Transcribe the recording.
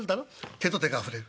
手と手が触れる。